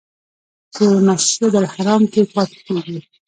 چې مسجدالحرام کې پاتې کېږي.